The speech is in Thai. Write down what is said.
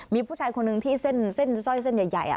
มีผู้ชายคนหนึ่งที่เส้นสร้อยเส้นใหญ่